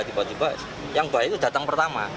tiba tiba yang baik itu datang pertama